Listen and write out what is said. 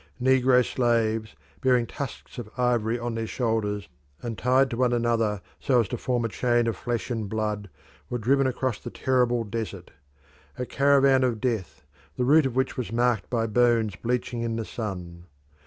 Negro slaves, bearing tusks of ivory on their shoulders and tied to one another so as to form a chain of flesh and blood, were driven across the terrible desert a caravan of death, the route of which was marked by bones bleaching in the sun.